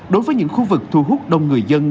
đối với những khu vực thu hút đông người dân